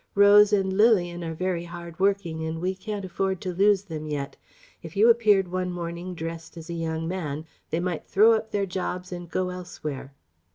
Rose and Lilian are very hard working and we can't afford to lose them yet. If you appeared one morning dressed as a young man they might throw up their jobs and go elsewhere..."